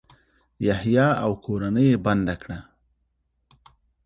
یحیی او کورنۍ یې بنده کړه.